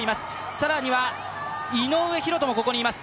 更には、井上大仁もここにいます。